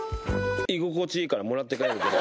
居心地いいからもらって帰るけど。